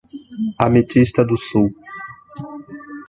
Ametista do Sul